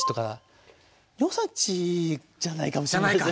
尿酸値じゃないかもしんないですね。